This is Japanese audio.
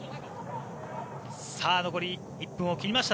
残り１分を切りました